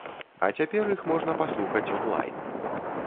А цяпер іх можна паслухаць он-лайн.